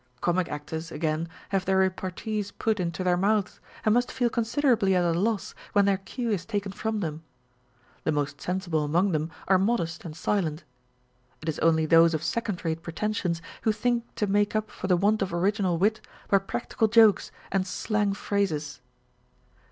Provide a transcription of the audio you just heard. Comic actors again have their repartees put into their mouths, and must feel considerably at a loss when their cue is taken from them. The most sensible among them are modest and silent. It is only those of second rate pretensions who think to make up for the want of original wit by practical jokes and slang phrases.